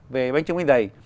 về bánh trưng bánh dày